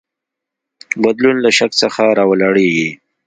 بدلون له شک څخه راولاړیږي.